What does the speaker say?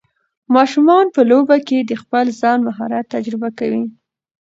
ماشومان په لوبو کې د خپل ځان مهارت تجربه کوي.